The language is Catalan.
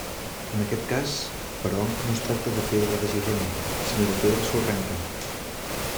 En aquest cas però no es tracta de pedra de Girona, sinó de pedra sorrenca.